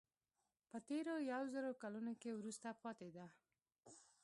په تېرو یو زر کلونو کې وروسته پاتې ده.